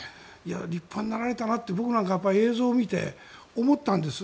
立派になられたなと、僕なんか映像を見て思ったんです。